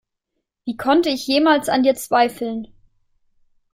Wie konnte ich jemals an dir zweifeln?